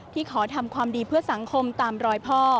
ขอทำความดีเพื่อสังคมตามรอยพ่อ